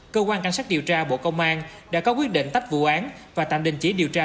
cơ quan cảnh sát điều tra bộ công an đã có quyết định tách vụ án và tạm đình chỉ điều tra